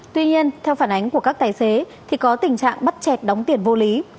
tuy nhiên theo phản ánh của các tài xế thì có tình trạng bắt chẹt đóng tiền vô lý